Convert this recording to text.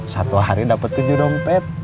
satu hari dapat tujuh dompet